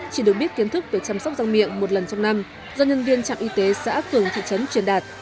chỉ được biết kiến thức về chăm sóc răng miệng một lần trong năm do nhân viên trạm y tế xã phường thị trấn truyền đạt